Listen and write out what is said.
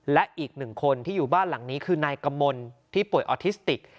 และอีกหนึ่งคนที่อยู่บ้านหลังนี้คือนายกมลที่ป่วยออทิสติก